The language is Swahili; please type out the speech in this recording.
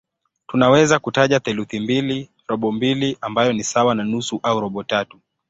Tunaweza kutaja theluthi mbili, robo mbili ambayo ni sawa na nusu au robo tatu.